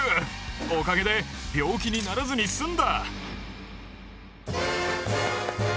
おかげで病気にならずに済んだ。